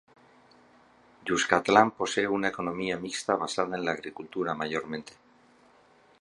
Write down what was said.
Cuscatlán posee una economía mixta basada en la agricultura mayormente.